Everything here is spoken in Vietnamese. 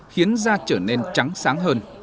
khiến da trở nên trắng sáng hơn